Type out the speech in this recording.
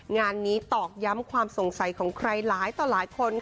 งานนี้ตอกย้ำความสงสัยของใครหลายต่อหลายคน